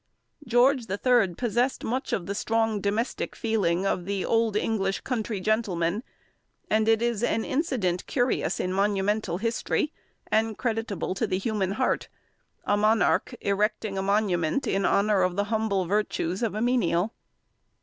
George III. possessed much of the strong domestic feeling of the old English country gentleman; and it is an incident curious in monumental history, and creditable to the human heart, a monarch erecting a monument in honour of the humble virtues of a menial.